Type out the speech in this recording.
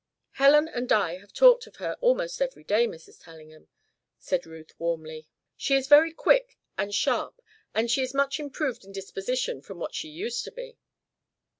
"Helen and I have talked of her almost every day, Mrs. Tellingham," said Ruth warmly. "She is very quick and sharp. And she is much improved in disposition from what she used to be."